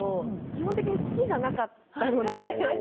基本的に好きじゃなかったので。